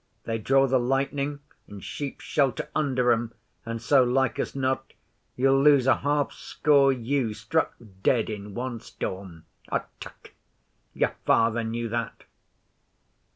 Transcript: They draw the lightning, and sheep shelter under 'em, and so, like as not, you'll lose a half score ewes struck dead in one storm. Tck! Your father knew that.